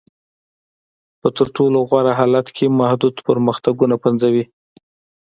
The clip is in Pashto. په تر ټولو غوره حالت کې محدود پرمختګونه پنځوي.